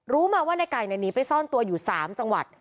รู้มาว่าในไก่หนีไปซ่อนตัวอยู่๓จังหวัด